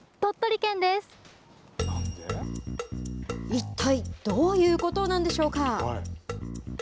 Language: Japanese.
一体どういうことなんでしょうか。